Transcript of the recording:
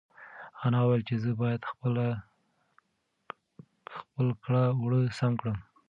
انا وویل چې زه باید خپل کړه وړه سم کړم.